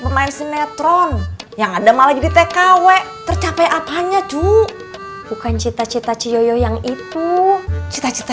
pemain sinetron yang ada malah di tkw tercapai apanya tuh bukan cita cita ciyoyo yang itu cita cita